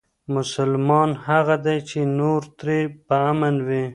مسلمان هغه دی چې نور ترې په امن وي.